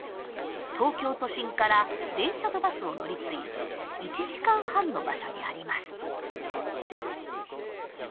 東京都心から電車とバスを乗り継いで１時間半の場所にあります。